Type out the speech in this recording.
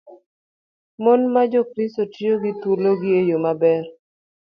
Mon ma Jokristo tiyo gi thuologi e yo maber.